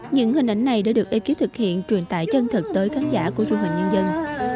những hình ảnh này đã được ekip thực hiện truyền tải chân thực tới khán giả của chúng tôi